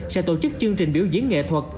sẽ tổ chức chương trình biểu diễn nghệ thuật